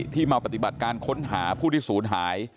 ที่มาปฏิบัติการค้นหาผู้ที่ศูนย์หาย